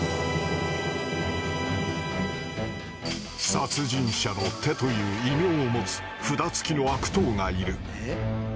「殺人者の手」という異名を持つ札つきの悪党がいる。